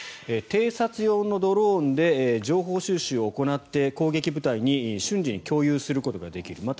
偵察用のドローンで情報収集を行って攻撃部隊に瞬時に共有することができる。